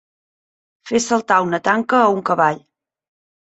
Fer saltar una tanca a un cavall.